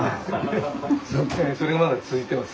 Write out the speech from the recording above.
それがまだ続いてます。